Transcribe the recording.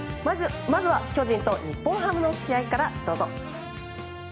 まずは、巨人と日本ハムの試合からどうぞ。